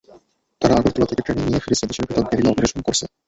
তারা আগরতলা থেকে ট্রেনিং নিয়ে ফিরেছে, দেশের ভেতরে গেরিলা অপারেশন করছে।